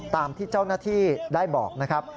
ตามที่เจ้าหน้าที่ได้บอกนะครับ